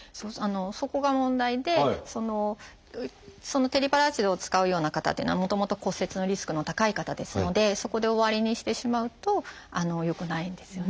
そこが問題でテリパラチドを使うような方というのはもともと骨折のリスクの高い方ですのでそこで終わりにしてしまうとよくないんですよね。